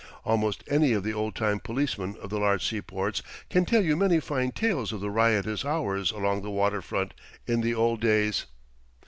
Almost any of the old time policemen of the large seaports can tell you many fine tales of the riotous hours along the water front in the old days.